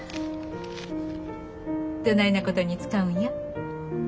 どないなことに使うんや？